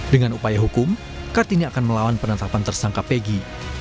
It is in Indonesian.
dengan upaya hukum kartini akan melawan penetapan tersangka pegi